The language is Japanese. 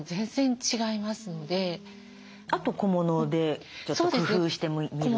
あと小物でちょっと工夫してみるとか。